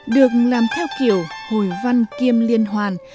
được làm theo kiểu hồi văn kiêm liên hoàn